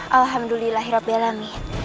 alhamdulillah hirop belami